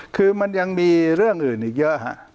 คือมันยังมีเรื่องอื่นอีกเยอะฮะ